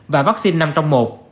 và vaccine năm trong một